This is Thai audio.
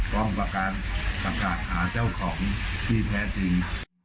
ต้องประกาศประกาศหาเจ้าของที่แพ้สิ่ง